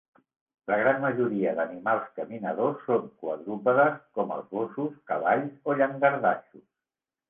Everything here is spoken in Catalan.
La gran majoria d'animals caminadors són quadrúpedes, com els gossos, cavalls o llangardaixos.